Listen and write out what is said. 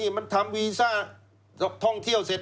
มันทำวีซ่าท่องเที่ยวเสร็จ